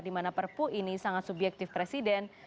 di mana perpu ini sangat subjektif presiden